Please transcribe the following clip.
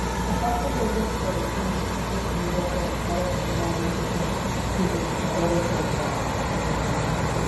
Aparte de ello se producían distintos sonidos realizados generalmente con sintetizadores electrónicos.